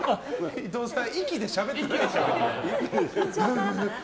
伊藤さんは息でしゃべってる。